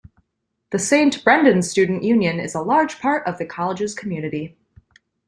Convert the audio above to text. The Saint Brendan's Student Union is a large part of the college's community.